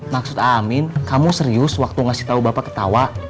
maksud amin kamu serius waktu ngasih tahu bapak ketawa